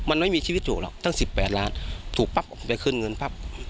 มันไม่มีชีวิตถูกหรอกตั้งสิบแปดล้านถูกปั้บออกไปขึ้นเงินพับ